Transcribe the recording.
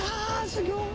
すギョい。